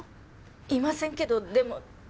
いませんけどでも。